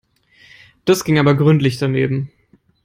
Das ging aber gründlich daneben.